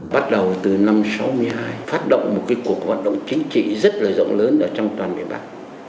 bắt đầu từ năm một nghìn chín trăm sáu mươi hai phát động một cuộc hoạt động chính trị rất là rộng lớn trong toàn miền bắc